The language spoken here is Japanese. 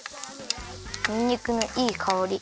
にんにくのいいかおり。